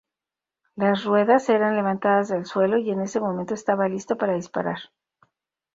Las ruedas eran levantadas del suelo y en ese momento estaba listo para disparar.